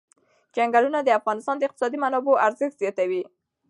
چنګلونه د افغانستان د اقتصادي منابعو ارزښت زیاتوي.